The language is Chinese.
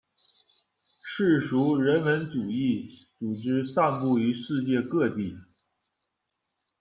世俗人文主义组织散布于世界各地。